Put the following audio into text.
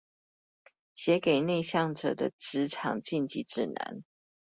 寫給內向者的職場進擊指南